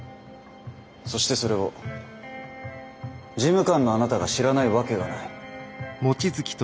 そしてそれを事務官のあなたが知らないわけがない。